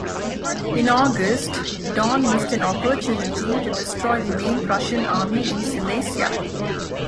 In August, Daun missed an opportunity to destroy the main Prussian army in Silesia.